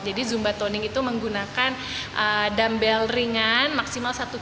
jadi zumbatoning itu menggunakan dumbbell ringan maksimal satu tangan